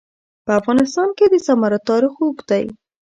په افغانستان کې د زمرد تاریخ اوږد دی.